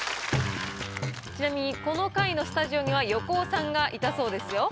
ちなみにこの回のスタジオには横尾さんがいたそうですよ。